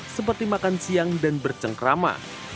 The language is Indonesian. seperti makan siang dan bercengkrama